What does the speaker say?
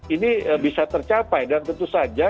ini bisa tercapai dan tentu saja